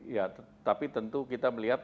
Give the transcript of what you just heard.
ya tetapi tentu kita melihat